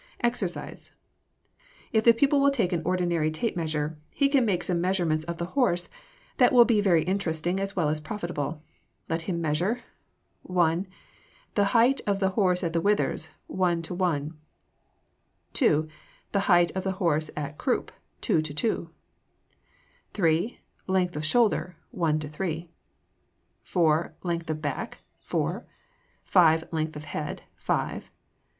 EXERCISE If the pupil will take an ordinary tape measure, he can make some measurements of the horse that will be very interesting as well as profitable. Let him measure: 1. The height of the horse at the withers, 1 to 1. 2. The height of the horse at croup, 2 to 2. 3. Length of shoulder, 1 to 3. 4. Length of back, 4. 5. Length of head, 5. 6.